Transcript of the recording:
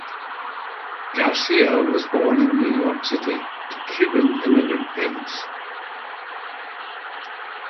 Garcia was born in New York City, to Cuban immigrant parents.